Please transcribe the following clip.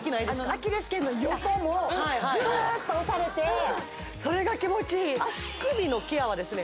アキレス腱の横もグーッと押されてそれが気持ちいい足首のケアはですね